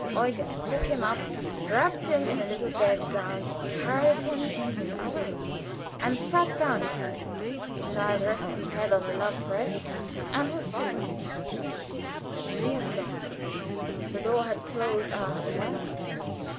Eugen took him up, wrapped him in a little bed gown, carried him into the other room, and sat down with him. The child rested his head on the loved breast, and was soothed. She had gone; the door had closed after her.